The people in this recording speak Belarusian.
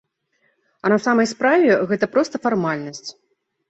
А на самай справе гэта проста фармальнасць.